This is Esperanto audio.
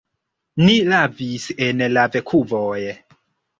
Ni lavis en lavkuvoj.